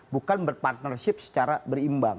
bukan berpartnership secara berimbang